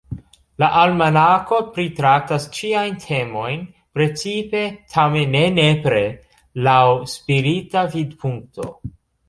La Almanako pritraktas ĉiajn temojn, precipe, tamen ne nepre, laŭ spirita vidpunkto.